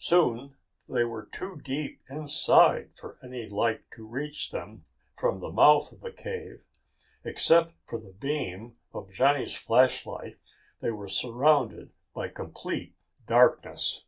Soon they were too deep inside for any light to reach them from the mouth of the cave. Except for the beam of Johnny's flashlight, they were surrounded by complete darkness.